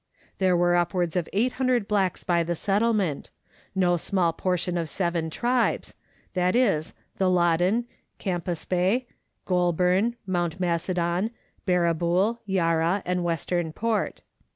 There were upwards of 800 blacks by the Settlement no small portion of seven tribes viz., the Loddon, Campaspe, Groulburu, Mount Macedon, Barra bool, Yarra, and Western Port.